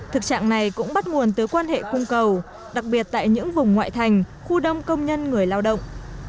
thực trạng này cũng bắt nguồn từ quan hệ cung cầu đặc biệt tại những vùng ngoại thành khu đông công nhân người lao động